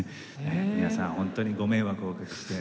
皆さん本当ご迷惑をおかけして。